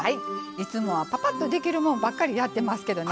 いつもはぱぱっとできるもんばっかやってますけどね